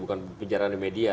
bukan pembicaraan di media